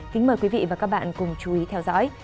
kính mời quý vị và các bạn cùng chú ý theo dõi